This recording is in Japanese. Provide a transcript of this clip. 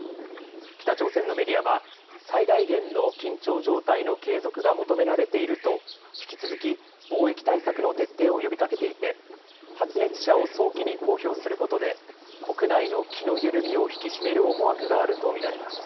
北朝鮮のメディアは最大限の緊張状態の継続が求められていると引き続き防疫対策の徹底を呼びかけていて発熱者を早期に公表することで国内の気の緩みを引き締める思惑があると見られます。